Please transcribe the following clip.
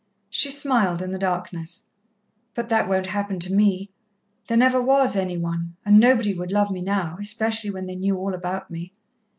She smiled in the darkness. "But that won't happen to me. There never was any one and nobody would love me now, especially when they knew all about me."